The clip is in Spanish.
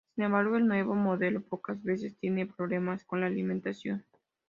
Sin embargo, el nuevo modelo pocas veces tiene problemas con la alimentación"".